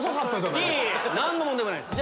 いえいえ何の問題もないです。